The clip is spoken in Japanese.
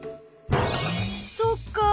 そっか。